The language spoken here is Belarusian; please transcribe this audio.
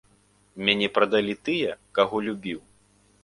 Мяне прадалі тыя, каго любіў.